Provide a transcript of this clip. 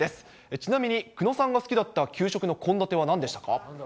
ちなみに、久野さんが好きだった給食の献立はなんでしたか？